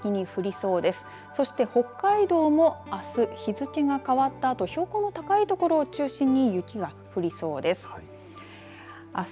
そして、北海道もあす日付が変わったあと標高の高い所を中心に雪が降りそうです。